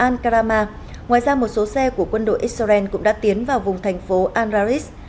ngoài ra một số xe của quân đội israel cũng đã tiến vào vùng thành phố andraris